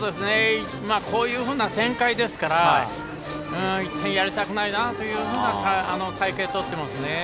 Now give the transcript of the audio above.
こういう展開ですから１点やりたくないなというような隊形をとっていますね。